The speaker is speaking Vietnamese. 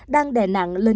đang đè nặng lên